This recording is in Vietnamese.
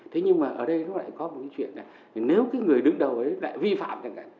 thế nhưng mà ở đây nó lại có một cái chuyện này nếu cái người đứng đầu ấy lại vi phạm